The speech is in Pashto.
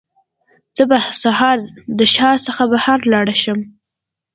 زه به سبا د ښار څخه بهر لاړ شم.